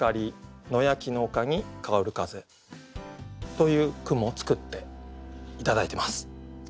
という句も作って頂いてます。